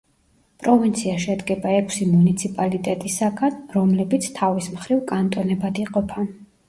პროვინცია შედგება ექვსი მუნიციპალიტეტისაგან, რომლებიც თავის მხრივ კანტონებად იყოფა.